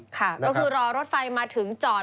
ค่ะก็คือรอรถไฟมาถึงจอด